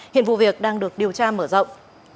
hiện vụ việc đang được điều tra mở rộng